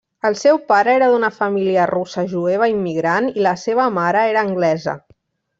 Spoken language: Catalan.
El seu pare era d'una família russa jueva immigrant i la seva mare era anglesa.